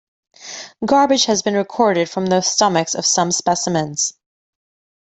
Garbage has been recorded from the stomachs of some specimens.